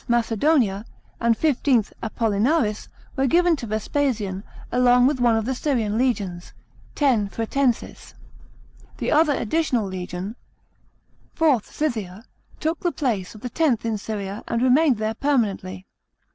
Macedonica and XV. Apollinaris, were given to Vespasian, along with one of the Syrian legions, X. Fretensis. The other additional legion, IV. Scythica, took the place of the Xth in Syria, and remained there permanently.